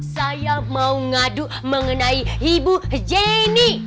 saya mau ngadu mengenai ibu jenny